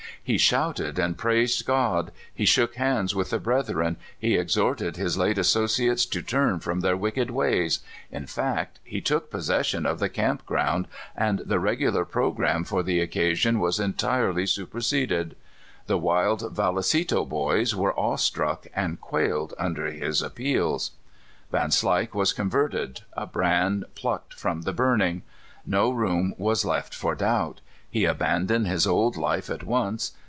He shouted and praised God, he sh )ok hands with the brethren. 1.^8 My First California CamiJ meeting. he exhorted his late associates to turn from their wicked ways — in fact, he took possession of the canip groiind, and the regular programme for the occasion was entirely superseded. The wild Valle cito "boys" were awe struck, and quailed under his appeals. Vanslyke w'as converted, a brand plucked from the burning. No room was left for doubt. He abandoned his old life at once.